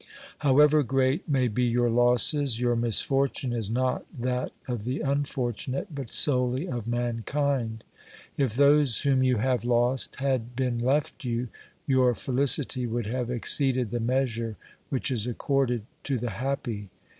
However great may be your losses, your misfortune is not that of the unfor tunate, but solely of mankind. If those whom you have lost had been left you, your felicity would have exceeded the measure which is accorded to the happy.